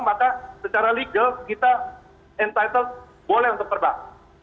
maka secara legal kita entitle boleh untuk terbang